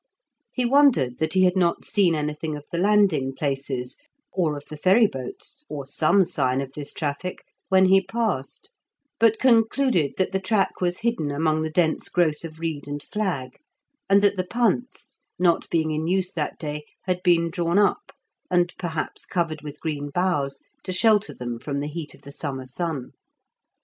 He wondered that he had not seen anything of the landing places, or of the ferry boats, or some sign of this traffic when he passed, but concluded that the track was hidden among the dense growth of reed and flag, and that the punts, not being in use that day, had been drawn up, and perhaps covered with green boughs to shelter them from the heat of the summer sun.